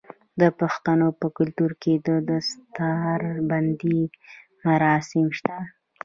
د پښتنو په کلتور کې د دستار بندی مراسم شته.